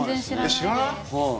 知らない？